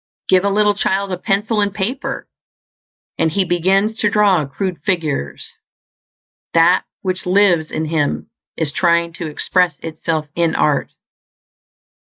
Give a little child a pencil and paper, and he begins to draw crude figures; That which lives in him is trying to express Itself in art.